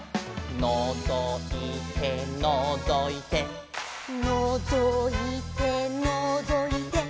「のぞいてのぞいて」「のぞいてのぞいて」